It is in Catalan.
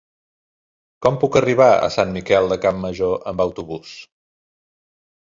Com puc arribar a Sant Miquel de Campmajor amb autobús?